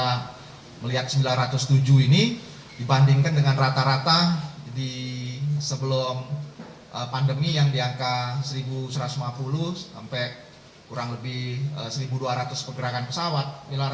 kita melihat sembilan ratus tujuh ini dibandingkan dengan rata rata di sebelum pandemi yang di angka seribu satu ratus lima puluh sampai kurang lebih satu dua ratus pergerakan pesawat